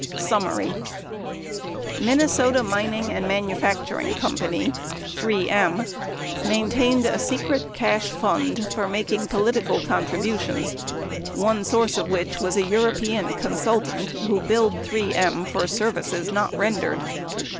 Summary Minnesota Mining and Manufacturing Co. (3 M) maintained a secret cash fund for making political contributions, one source of which Avas a European consultant who billed 3 M for services not rendered.